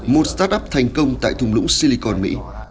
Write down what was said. một start up thành công tại thùng lũng silicon mỹ